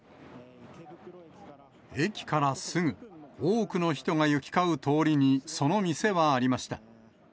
駅からすぐ、多くの人が行き交う通りにその店はありました。